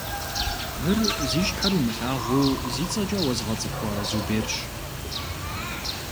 Мыр зи щхьэр умылъагъуу зи цӏэкӏэ уэзгъэцӏыхуа Зуберщ.